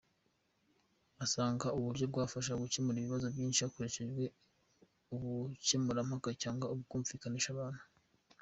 Asanga ubu buryo bwafasha mu gukemura ibibazo byinshi hakoreshejwe ubukemurampaka cyangwa kumvikanisha abantu.